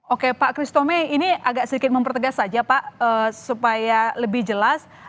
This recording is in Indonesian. oke pak kristome ini agak sedikit mempertegas saja pak supaya lebih jelas